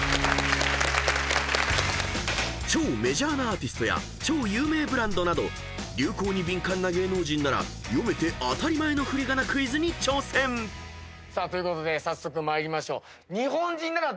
［超メジャーなアーティストや超有名ブランドなど流行に敏感な芸能人なら読めて当たり前のふりがなクイズに挑戦］ということで早速参りましょう。